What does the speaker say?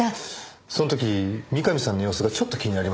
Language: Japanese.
その時三上さんの様子がちょっと気になりまして。